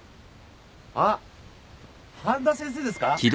・あっ半田先生ですか？